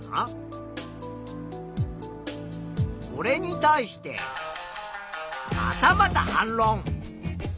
これに対してまたまた反ろん。